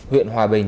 huyện hòa bình